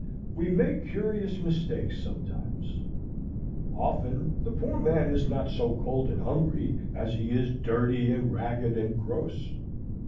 We make curious mistakes sometimes. Often the poor man is not so cold and hungry as he is dirty and ragged and gross.